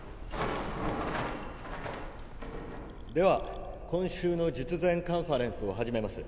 では今週の術前カンファレンスを始めます。